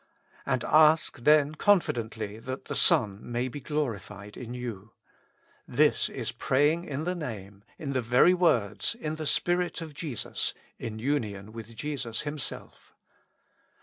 And ask then confidently that the Son may be glorified in you. This is praying in the Name, in the very words, in the Spirit of Jesus, in union with Jesus Himself.